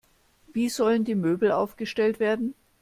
Wie sollen die Möbel aufgestellt werden?